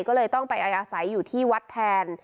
ก็เลยต้องไปอาศัยอยู่ที่วัดแทน